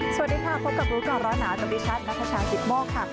สวัสดีค่ะพบกับรู้ก่อนร้อนหนาตรีชัดนาภิชาฮิตโม่ค่ะ